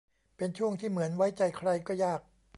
เป็นช่วงที่เหมือนไว้ใจใครก็ยาก